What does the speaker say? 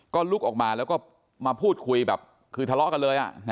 ก็ลุกออกมาแล้วก็มาพูดคุยแบบคือทะเลาะกันเลย